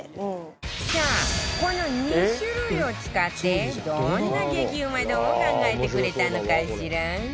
さあこの２種類を使ってどんな激うま丼を考えてくれたのかしら？